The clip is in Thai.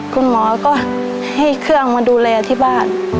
คุณหมอก็ให้เครื่องมาดูแลที่บ้าน